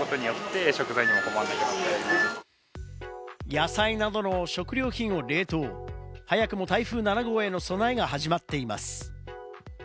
野菜などの食料品を冷凍、早くも台風７号への備えが始まっています。